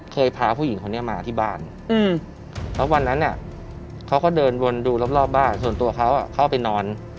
พาผู้หญิงคนนี้มาที่บ้านแล้ววันนั้นเขาก็เดินวนดูรอบบ้านส่วนตัวเขาเข้าไปนอน